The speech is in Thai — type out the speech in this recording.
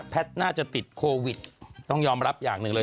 น่าจะติดโควิดต้องยอมรับอย่างหนึ่งเลย